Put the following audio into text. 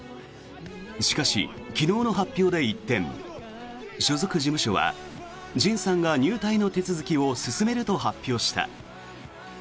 しかし、昨日の発表で一転所属事務所はＪＩＮさんが入隊の手続きを進めると発表した。